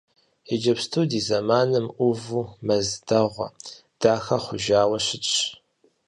Иджыпсту ди зэманым ӏуву мэз дэгъуэ, дахэ хъужауэ щытщ.